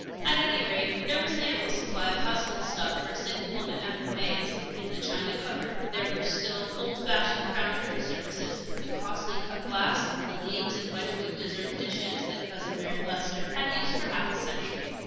At any rate, there was an ample supply of household stuff for a single woman and her maids. In the china cupboard there were still the old fashioned Crown Derby services, the costly cut glass, the Leeds and Wedgewood dessert dishes that Cousin Mary Leicester had used for half a century.